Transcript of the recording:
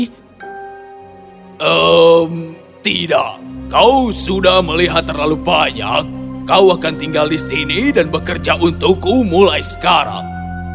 hmm tidak kau sudah melihat terlalu banyak kau akan tinggal di sini dan bekerja untukku mulai sekarang